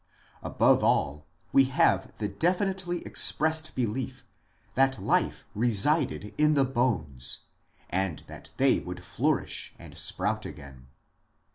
Above all, we have the definitely expressed belief that life resided in the bones, and that they would flourish and sprout again.